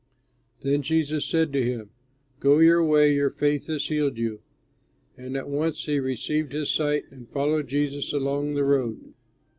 Then Jesus said to him, "Go your way, your faith has healed you." And at once he received his sight, and followed Jesus along the road.